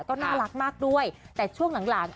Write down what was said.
ก็น่ารักมากด้วยแต่ช่วงหลังหลัง